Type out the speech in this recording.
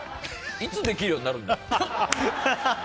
いつできるようになるんですか？